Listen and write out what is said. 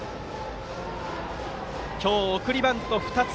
今日、送りバント２つ。